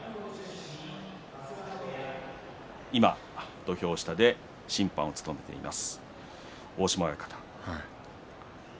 土俵下で審判を務めています大島親方。